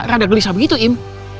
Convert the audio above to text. rada gelisah begitu im